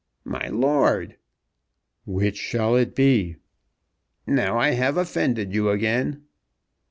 "My lord!" "Which shall it be?" "Now I have offended you again."